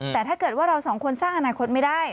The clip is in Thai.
แต่ถ้าเกิดว่าเราสองคนสร้างอนาคตไม่ได้